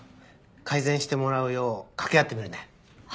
改善してもらうよう掛け合ってみるね。